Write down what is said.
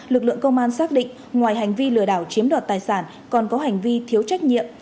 lực lượng công an xác định ngoài hành vi lừa đảo chiếm đoạt tài sản còn có hành vi thiếu trách nhiệm